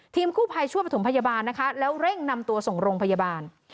กู้ภัยช่วยประถมพยาบาลนะคะแล้วเร่งนำตัวส่งโรงพยาบาล